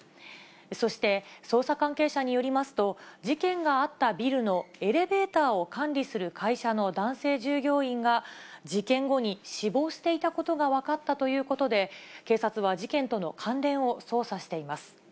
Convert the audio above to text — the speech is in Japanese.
そして、捜査関係者によりますと、事件があったビルのエレベーターを管理する会社の男性従業員が、事件後に死亡していたことが分かったということで、警察は事件との関連を捜査しています。